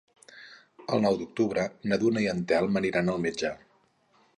El nou d'octubre na Duna i en Telm aniran al metge.